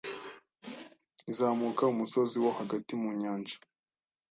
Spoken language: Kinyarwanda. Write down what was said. izamuka umusozi wo hagati mu Nyanja